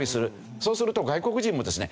そうすると外国人もですね